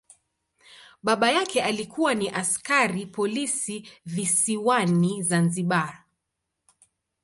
Baba yake alikuwa ni askari polisi visiwani Zanzibar.